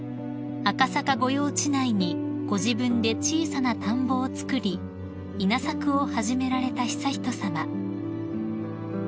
赤坂御用地内にご自分で小さな田んぼを作り稲作を始められた悠仁さま］